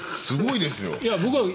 すごいですよ。